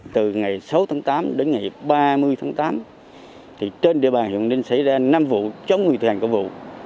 từ ngày sáu tháng tám đến ngày ba mươi tháng tám trên địa bàn hồng ninh xảy ra năm vụ chống nguyên thuyền của vụ